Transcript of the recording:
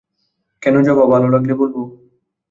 কেন জবা ভালো লাগে বলব?